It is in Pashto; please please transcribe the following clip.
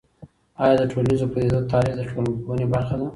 آیا د ټولنیزو پدیدو تحلیل د ټولنپوهنې برخه ده؟